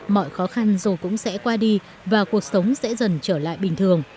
mọi khó khăn dù cũng sẽ qua đi và cuộc sống sẽ dần trở lại bình thường